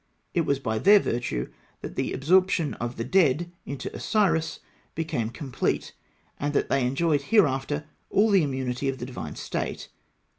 It was by their virtue that the absorption of the dead into Osiris became complete, and that they enjoyed hereafter all the immunity of the divine state.